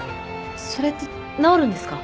それって治るんですか？